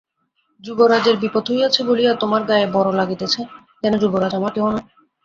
যুবরাজের বিপদ হইয়াছে বলিয়া তোমার গায়ে বড়ো লাগিয়াছে– যেন যুবরাজ আমার কেহ নয়।